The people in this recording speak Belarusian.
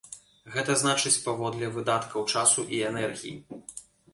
Гэта значыць, паводле выдаткаў часу і энергіі.